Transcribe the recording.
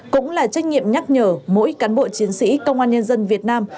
cũng là trách nhiệm nhắc nhở mỗi cán bộ chiến sĩ công an nhân dân việt nam